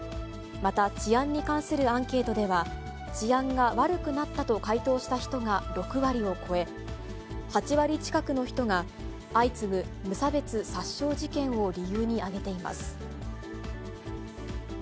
また治安に関するアンケートでは、治安が悪くなったと回答した人が６割を超え、８割近くの人が相次ぐ無差別殺傷事件を理由に挙げています。